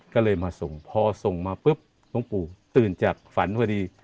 ก็เลยมาส่งพอส่งมาปุ๊บหลวงปู่ตื่นจากฝันพอดี